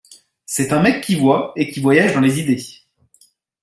c'est un mec qui voit et qui voyage dans les idées.